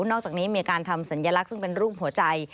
นอกจากนี้มีการทำศัลยลักษีซึ่งเป็นรุ่นหัวใจ